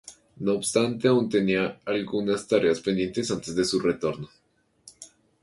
No obstante, aún tenía algunas tareas pendientes antes de su retorno.